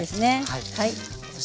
はい。